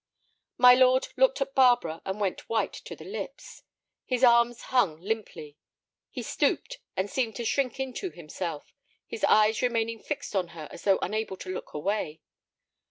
My lord looked at Barbara and went white to the lips. His arms hung limply. He stooped, and seemed to shrink into himself, his eyes remaining fixed on her as though unable to look away.